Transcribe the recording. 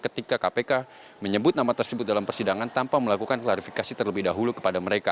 ketika kpk menyebut nama tersebut dalam persidangan tanpa melakukan klarifikasi terlebih dahulu kepada mereka